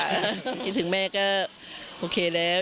คิดถึงแม่ก็โอเคแล้ว